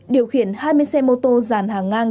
điều khiển hai mươi xe mô tô giàn hàng ngang